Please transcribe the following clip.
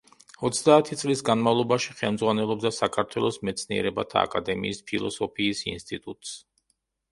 ოცდაათი წლის განმავლობაში ხელმძღვანელობდა საქართველოს მეცნიერებათა აკადემიის ფილოსოფიის ინსტიტუტს.